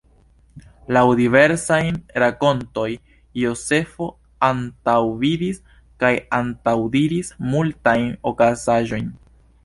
Laŭ diversajn rakontoj Jozefo antaŭvidis kaj antaŭdiris multajn okazaĵojn.